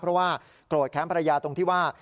เพราะว่าโกรธแค้นภรรยาตรงที่ว่า